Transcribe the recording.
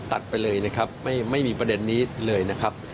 ไปเลยนะครับไม่มีประเด็นนี้เลยนะครับ